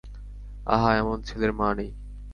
আহা, এমন ছেলের মা নাই!